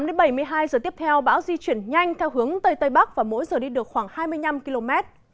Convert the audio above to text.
trong bốn mươi tám bảy mươi hai h tiếp theo bão di chuyển nhanh theo hướng tây tây bắc mỗi giờ đi được khoảng hai mươi năm km